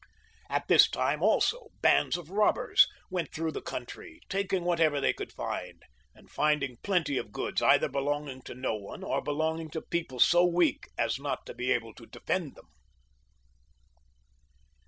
At this time also bands of robbers went through the country, taking whatever they could find, and finding 174 JOHN {LE BON). [ch. plenty of goods, either belonging to no one or belonging to people so weak as not to be able to defend them.